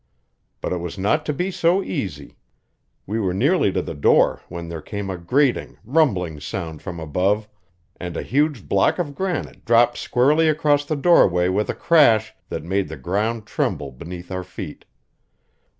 But it was not to be so easy. We were nearly to the door when there came a grating, rumbling sound from above, and a huge block of granite dropped squarely across the doorway with a crash that made the ground tremble beneath our feet.